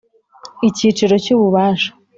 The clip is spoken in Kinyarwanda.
Icyiciro cy Ububasha